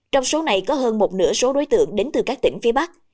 trong số này có hơn một nửa số đối tượng đến từ các tỉnh phía bắc